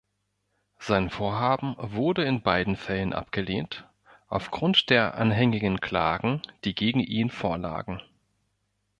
Sein Vorhaben wurde in beiden Fällen abgelehnt, aufgrund der anhängigen Anklagen, die gegen ihn vorlagen.